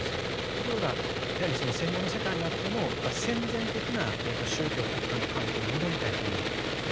ところがやはりその戦後の世界にあってもやっぱり戦前的な宗教国家の関係に戻りたいという人がですね